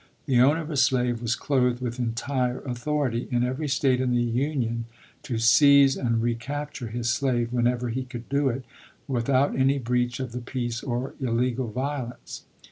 The owner of a slave was clothed with entire authority, in every State in the Union, to seize and recapture his slave whenever he could do it without any breach of the peace or illegal violence.